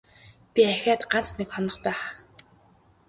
Би ахиад ганц нэг хонох байх.